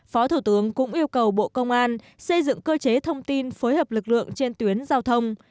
phó thủ tướng cũng yêu cầu bộ công an xây dựng cơ chế thông tin phối hợp lực lượng trên tuyến giao thông